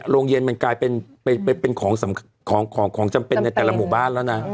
โรงเย็นมันกลายเป็นของจำเป็นในแต่ละหมู่บ้านแล้วนะ